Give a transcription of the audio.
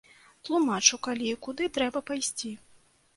Тлумачу, калі і куды трэба пайсці.